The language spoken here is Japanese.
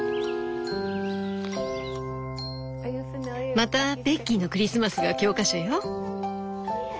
また「ベッキーのクリスマス」が教科書よ。